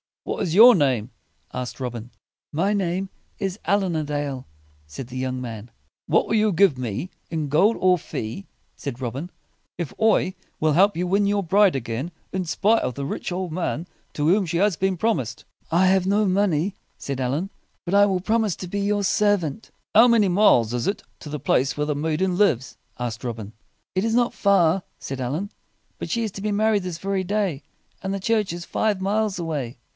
"What is your name?" asked Robin. "My name is Allin a Dale," said the young man. "What will you give me, in gold or fee," said Robin, "if I will help you win your bride again in spite of the rich old man to whom she has been promised?" "I have no money," said Allin, "but I will promise to be your servant." "How many miles is it to the place where the maiden lives?" asked Robin. "It is not far," said Allin. "But she is to be married this very day, and the church is five miles away."